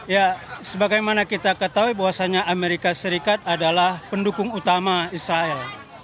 ya sebagaimana kita ketahui bahwasannya amerika serikat adalah pendukung utama israel